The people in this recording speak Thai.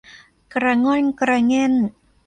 กระง่อนกระแง่น